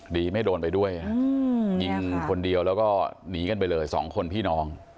ไม่โดนไปด้วยยิงคนเดียวแล้วก็หนีกันไปเลยสองคนพี่น้อง